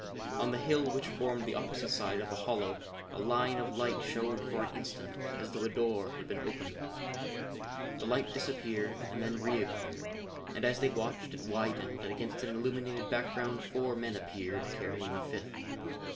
On the hill which formed the opposite side of the hollow a line of light showed for an instant as though a door had been opened. The light disappeared and then reappeared, and as they watched it widened and against an illuminated background four men appeared, carrying a fifth.